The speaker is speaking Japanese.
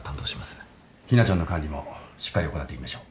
日菜ちゃんの管理もしっかり行っていきましょう。